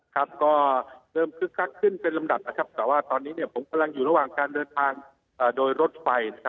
ครับก็เริ่มคึกคักขึ้นเป็นลำดับนะครับแต่ว่าตอนนี้ผมกำลังอยู่ระหว่างการเดินทางโดยรถไฟนะครับ